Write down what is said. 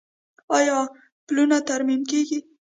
آیا پلونه ترمیم کیږي؟